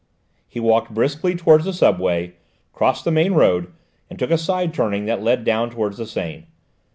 He walked briskly towards the subway, crossed the main road, and took a side turning that led down towards the Seine.